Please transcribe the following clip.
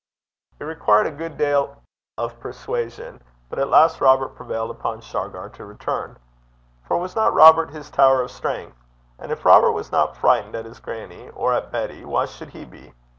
It required a good deal of persuasion, but at last Robert prevailed upon Shargar to return. For was not Robert his tower of strength? And if Robert was not frightened at his grannie, or at Betty, why should he be?